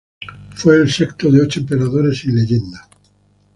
Fue el sexto de ocho emperadores sin leyenda.